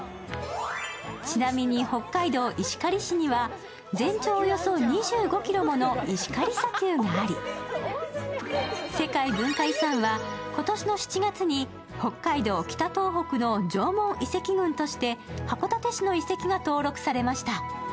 ちなみに北海道石川市には、全長およそ２５ｋｍもの石狩砂丘があり、世界文化遺産は今年の７月に北海道・北東北の縄文遺跡群として函館市の遺跡が登録されました。